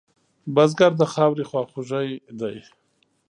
بزګر د خاورې خواخوږی دی